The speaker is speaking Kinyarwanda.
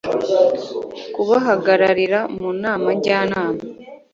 kubahagararira mu Nama Njyanama